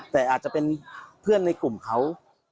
แต่อาจจะเป็นเพื่อนในกลุ่มเขา